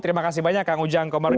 terima kasih banyak kang ujang komarudin